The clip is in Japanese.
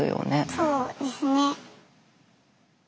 そうですね。